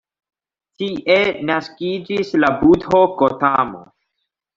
Tie naskiĝis la budho Gotamo.